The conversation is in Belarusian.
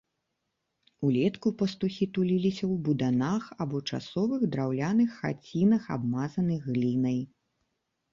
Улетку пастухі туліліся ў буданах або часовых драўляных хацінах, абмазаных глінай.